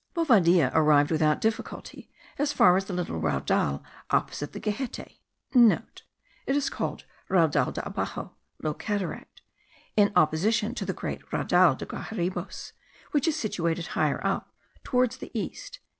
Bovadilla arrived without difficulty as far as the little Raudal* opposite the Gehette (* It is called Raudal de abaxo (Low Cataract) in opposition to the great Raudal de Guaharibos, which is situated higher up toward the east.)